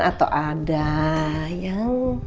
atau ada yang